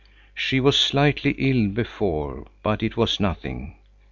She was slightly ill before, but it was nothing.